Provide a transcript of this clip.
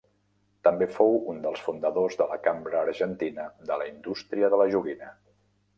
També fou un dels fundadors de la Cambra Argentina de la Indústria de la Joguina.